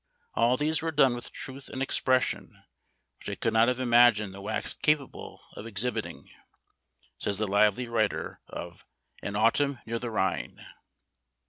"All these were done with truth and expression which I could not have imagined the wax capable of exhibiting," says the lively writer of "An Autumn near the Rhine."